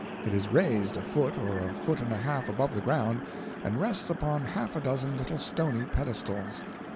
It is raised a foot or a foot and a half above the ground, and rests upon half a dozen little stony pedestals.